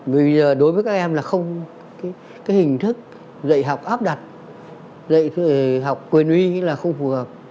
bây giờ đối với các em là không cái hình thức dạy học áp đặt dạy học quyền uy là không phù hợp